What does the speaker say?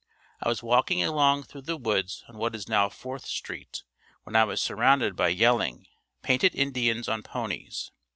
I was walking along through the woods on what is now Fourth street when I was surrounded by yelling, painted Indians on ponies.